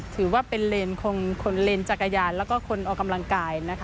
ถือว่าเป็นเลนจักรยานและก็คนออกกำลังกาย